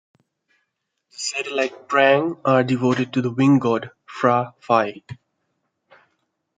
The satellite "prang" are devoted to the wind god, Phra Phai.